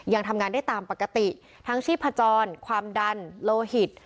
ยังทำงานได้ตามปกติทั้งชีพจรความดันโลหิต